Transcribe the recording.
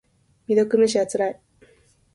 未読無視はつらい。